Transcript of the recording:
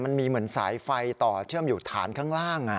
มันมีเหมือนสายไฟต่อเชื่อมอยู่ฐานข้างล่าง